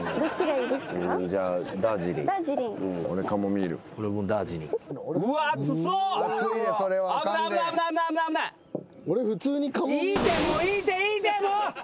いいってもういいっていいってもう！